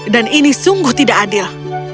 dan ini sungguh tidak adil